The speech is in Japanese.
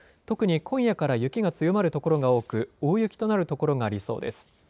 特に今夜から雪が強まる所が多く、大雪となる所がありそうです。